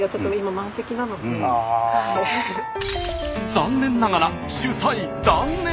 残念ながら取材断念。